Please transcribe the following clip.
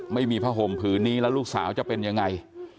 ไม่มีผ้าห่มผืนนี้แล้วลูกสาวจะเป็นยังไง